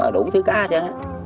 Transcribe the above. đủ thứ cá cho